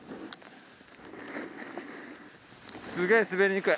すげぇ滑りにくい。